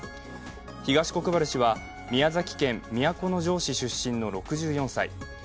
東国原氏は宮崎県都城市出身の６４歳。